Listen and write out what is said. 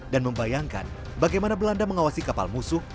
dan membayangkan bagaimana belanda mengawasi kapal musuh